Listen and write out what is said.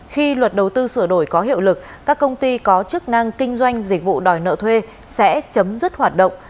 khi luật đầu tư sửa đổi có hiệu lực các công ty có chức năng kinh doanh dịch vụ đòi nợ thuê sẽ chấm dứt hoạt động